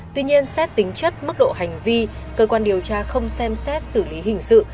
tuy nhiên xét tính chất mức độ hành vi cơ quan điều tra không xem xét xử lý hình sự